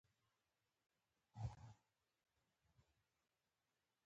کرنه د اقتصادي ودې لپاره ستر فرصتونه برابروي.